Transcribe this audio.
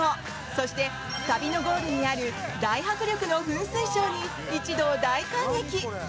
そして旅のゴールにある大迫力の噴水ショーに一同大感激。